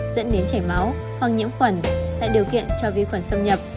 dẫn đến chảy máu hoặc nhiễm khuẩn tạo điều kiện cho vi khuẩn xâm nhập